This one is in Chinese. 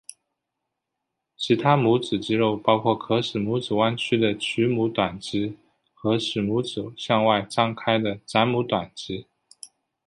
其他拇指肌肉包括可使拇指弯曲的屈拇短肌和使拇指向外张开的展拇短肌。